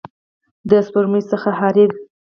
د سپوږمۍ څخه حریر